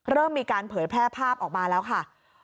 เริ่มมีการเผยแพร่ภาพออกมาแล้วค่ะ